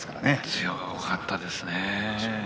強かったですね。